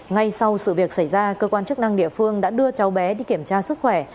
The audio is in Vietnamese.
ngay sau sự việc xảy ra cơ quan chức năng địa phương đã đưa cháu bé đi kiểm tra sức khỏe